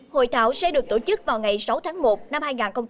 hội thảo sẽ được tổ chức vào ngày sáu tháng một năm hai nghìn một mươi chín